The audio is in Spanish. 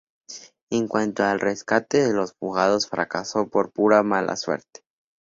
En cuanto al rescate de los fugados, fracasó por pura mala suerte.